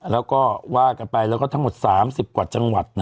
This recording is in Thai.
แล้วก็ว่ากันไปแล้วก็ทั้งหมด๓๐กว่าจังหวัด